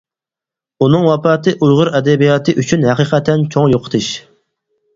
ئۇنىڭ ۋاپاتى ئۇيغۇر ئەدەبىياتى ئۈچۈن ھەقىقەتەن چوڭ يوقىتىش.